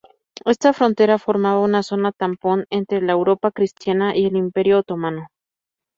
Esta frontera formaba una zona tampón entre la Europa Cristiana y el Imperio otomano.